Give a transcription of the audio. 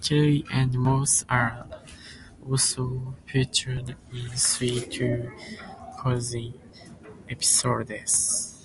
Kelly and Moore are also featured in three two-cousin episodes.